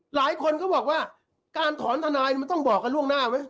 หลายคนก็บอกว่าการถอนทนายมันต้องบอกกันล่วงหน้าไหม